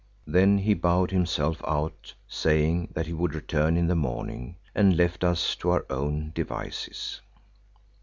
Then he bowed himself out, saying that he would return in the morning, and left us to our own devices.